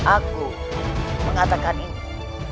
aku mengatakan ini